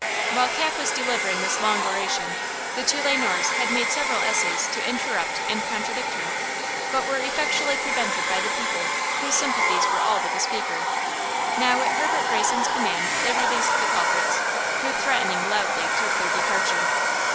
While Cap was delivering this long oration, the two Le Noirs had made several essays to interrupt and contradict her, but were effectually prevented by the people, whose sympathies were all with the speaker. Now, at Herbert Greyson's command, they released the culprits, who, threatening loudly took their departure.